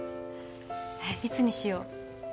いつにしよう